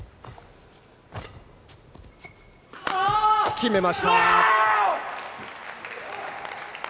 決めました。